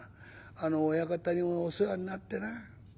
あの親方にもお世話になってな。